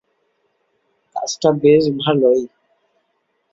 কাজটা বেশ ভালোই।